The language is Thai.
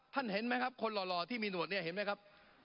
เห็นไหมครับคนหล่อที่มีหนวดเนี่ยเห็นไหมครับ